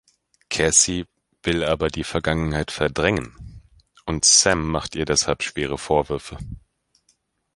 Cassie will aber die Vergangenheit verdrängen, und Sam macht ihr deshalb schwere Vorwürfe.